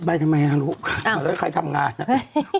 ไปทำไมละลูกถ้าใครทำงานละ